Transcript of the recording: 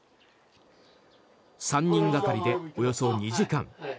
３人がかりで、およそ２時間。